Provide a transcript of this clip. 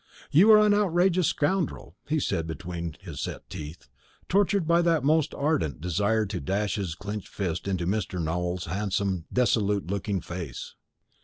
"You are an outrageous scoundrel!" he said between his set teeth, tortured by that most ardent desire to dash his clenched fist into Mr. Nowell's handsome dissolute looking face.